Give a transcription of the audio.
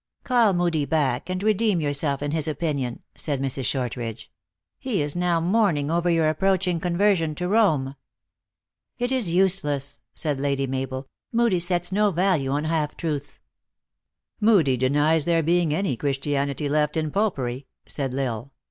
" Call Moodie back, and redeem yourself in his opinion," said Mrs. Shortridge. " He is now mourn ing over your approaching conversion to Home." " It is useless," said Lady Mabel. " Moodie sets no value on half truths." " Moodie denies there being any Christianity left in Popery," said L Isle.